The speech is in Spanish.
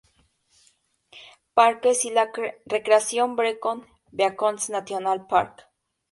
Parques y recreación: "Brecon Beacons National Park".